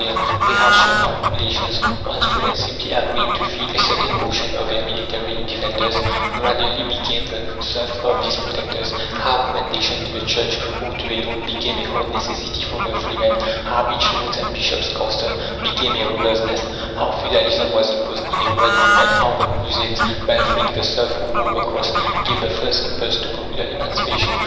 They have shown how populations, once free, and simply agreeing "to feed" a certain portion of their military defenders, gradually became the serfs of these protectors; how "commendation" to the Church, or to a lord, became a hard necessity for the freeman; how each lord's and bishop's castle became a robber's nest how feudalism was imposed, in a word and how the crusades, by freeing the serfs who wore the cross, gave the first impulse to popular emancipation.